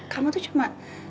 kamu tuh cuma